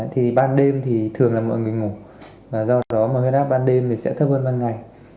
thì ban đêm thì thường là mọi người ngủ và do đó mà huyết áp ban đêm thì sẽ thấp hơn ban ngày